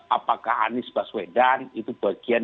apakah anies baswedan itu bagian